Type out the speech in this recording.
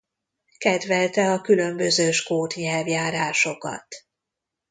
Kedvelte a különböző skót nyelvjárásokat.